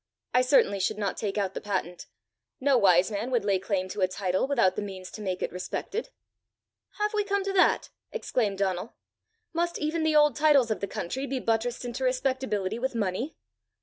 I certainly should not take out the patent. No wise man would lay claim to a title without the means to make it respected." "Have we come to that!" exclaimed Donal. "Must even the old titles of the country be buttressed into respectability with money?